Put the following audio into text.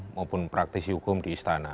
maupun praktisi hukum di istana